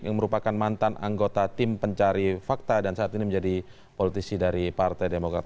yang merupakan mantan anggota tim pencari fakta dan saat ini menjadi politisi dari partai demokrat